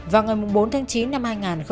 vào ngày bốn tháng chín năm hai nghìn một mươi sáu